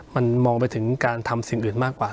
มันมองไปถึงการทำสิ่งอื่นมากกว่า